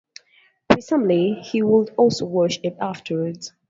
Presumably, he would also wash up afterwards.